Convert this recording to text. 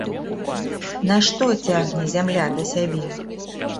Нашто цягне зямля да сябе?